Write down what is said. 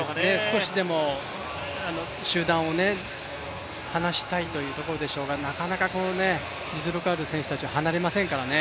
少しでも集団を離したいというところでしょうがなかなかこの実力ある選手たちは離れませんからね。